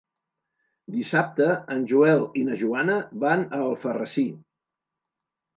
Dissabte en Joel i na Joana van a Alfarrasí.